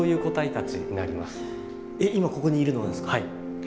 はい。